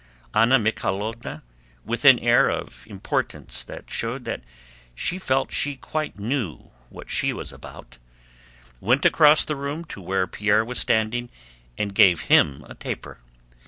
Anna Mikháylovna, with an air of importance that showed that she felt she quite knew what she was about, went across the room to where Pierre was standing and gave him a taper.